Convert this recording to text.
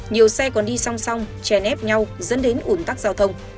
nhiều xe còn đi song song chè nép nhau dẫn đến ủn tắc giao thông